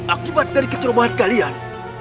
akibat dari kecerobohan kalian